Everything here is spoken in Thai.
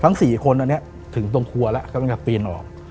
ทั้ง๔คนถึงตรงครัวแล้วกำลังจะปีนออก